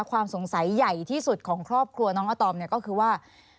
ความสงสัยใหญ่ที่สุดของครอบครัวน้องอาตอมเนี่ยก็คือว่า